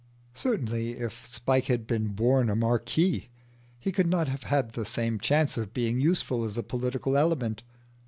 Certainly if Spike had been born a marquis he could not have had the same chance of being useful as a political element.